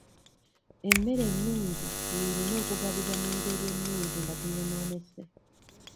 Emmere ennungi y'erina okugabibwa mu ngeri ennungi nga teyonoonese.